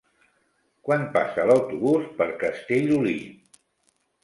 Quan passa l'autobús per Castellolí?